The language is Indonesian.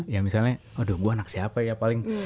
ya misalnya aduh gue anak siapa ya paling